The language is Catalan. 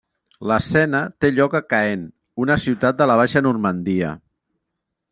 L'escena té lloc a Caen, una ciutat de la Baixa Normandia.